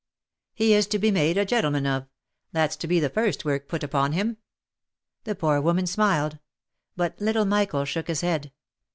" He is to be made a gentleman of — that's to be the first work put upon him." The poor woman smiled ; but little Michael shook his head.